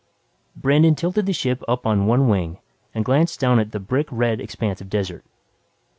Brandon tilted the ship up on one wing and glanced down at the brick red expanse of desert.